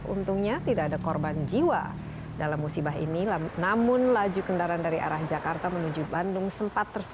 untungnya tidak ada korban jiwa dalam musibah ini namun laju kendaraan dari arah jakarta menuju bandung sempat tersambut